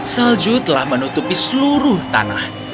salju telah menutupi seluruh tanah